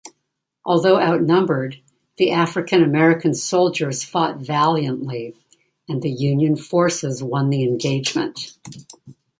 Although outnumbered, the African-American soldiers fought valiantly, and the Union forces won the engagement.